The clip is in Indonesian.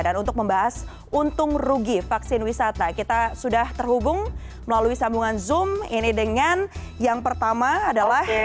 dan untuk membahas untung rugi vaksin wisata kita sudah terhubung melalui sambungan zoom ini dengan yang pertama adalah